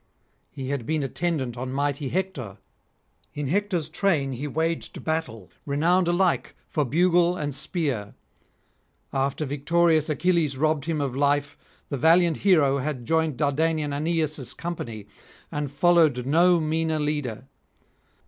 He had been attendant on mighty Hector; in Hector's train he waged battle, renowned alike for bugle and spear: after victorious Achilles robbed him of life the valiant hero had joined Dardanian Aeneas' company, and followed no meaner leader.